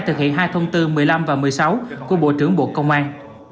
thực hiện hai thông tư một mươi năm và một mươi sáu của bộ trưởng bộ công an